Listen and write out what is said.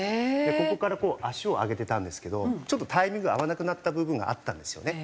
ここから足を上げてたんですけどちょっとタイミング合わなくなった部分があったんですよね。